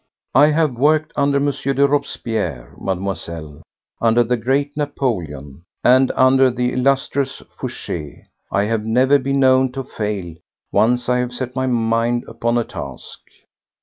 I have worked under M. de Robespierre, Mademoiselle, under the great Napoléon, and under the illustrious Fouché! I have never been known to fail, once I have set my mind upon a task."